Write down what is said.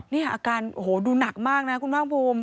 นี่อาการดูหนักมากนะคุณว่างภูมิ